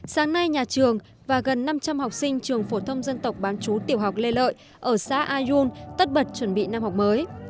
sáng nay nhà trường và gần năm trăm linh học sinh trường phổ thông dân tộc bán chú tiểu học lê lợi ở xã ayun tất bật chuẩn bị năm học mới